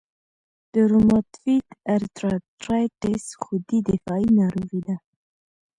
د روماتویید ارترایټرایټس خودي دفاعي ناروغي ده.